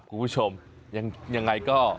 คุณผู้ชมยังไงก็